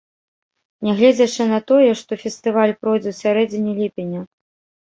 Нягледзячы на тое, што фестываль пройдзе ў сярэдзіне ліпеня.